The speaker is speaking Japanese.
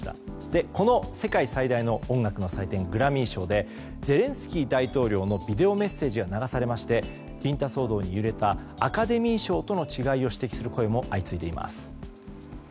この世界最大の音楽の祭典グラミー賞でゼレンスキー大統領のビデオメッセージが流されましてビンタ騒動に揺れたアカデミー賞との違いを指摘する声も相次いでいます。